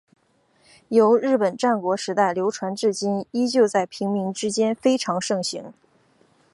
由日本战国时代流传至今依旧在平民之间非常盛行。